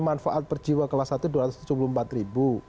manfaat perjiwa kelas satu dua ratus tujuh puluh empat ribu